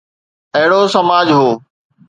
اهڙو سماج هو.